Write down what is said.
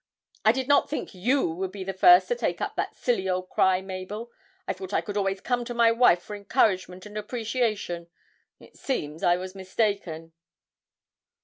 I did not think you would be the first to take up that silly old cry, Mabel I thought I could always come to my wife for encouragement and appreciation; it seems I was mistaken!'